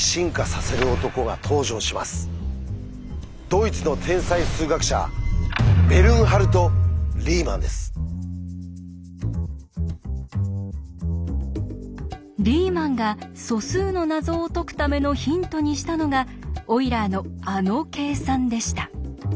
ドイツの天才数学者リーマンが素数の謎を解くためのヒントにしたのがオイラーのあの計算でした。